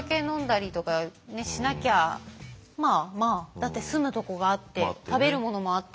だって住むとこがあって食べるものもあったら。